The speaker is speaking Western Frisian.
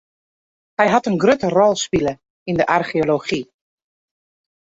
Hy hat in grutte rol spile yn de archeology.